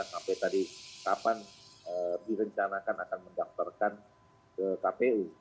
sampai tadi kapan direncanakan akan mendaftarkan ke kpu